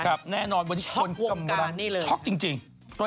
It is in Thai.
ครับแน่นอนวันนี้ควรกำลังช็อคจริงโศกกว้มกับการณ์นี่เลย